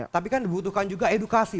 tapi kan dibutuhkan juga edukasi